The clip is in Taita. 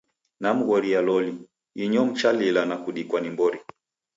Namghoria loli, inyo mchalila na kudikwa ni mbori.